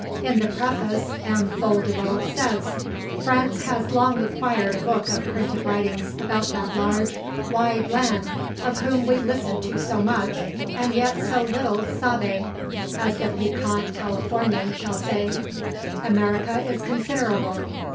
In the preface M. Foll de Roll says: "France has long required a book of printed writings about that large, wide land of whom we listen to so much and yet so little sabe, as the piquant Californian shall say. America is considerable.